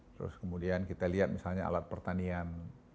terus kemudian kita lihat misalnya alat pertanian